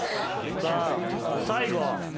さあ最後。